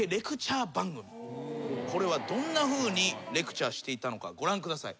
これはどんなふうにレクチャーしていたのかご覧ください。